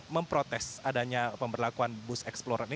memprotes adanya pemberlakuan bus eksplorer ini